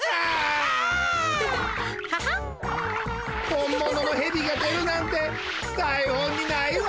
本もののヘビが出るなんてだい本にないわ！